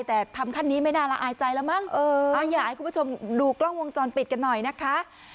แต่ทำขั้นนี้ไม่น่าละอายใจแล้วมั้งเอออยากให้คุณผู้ชมดูกล้องวงจรปิดกันหน่อยนะคะ